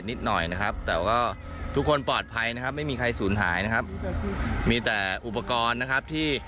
ถุงยางชีพต่างนะครับลอย